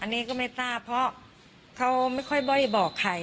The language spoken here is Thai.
อันนี้ก็ไม่ทราบเพราะเขาไม่ค่อยบ้อยบอกใคร